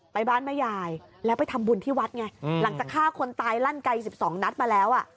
ไปบ้านแม่ยายแล้วไปทำบุญที่วัดไงหลังจากฆ่าคนตายลั่นไกล๑๒นัดมาแล้วอ่ะ